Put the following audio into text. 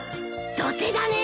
土手だね。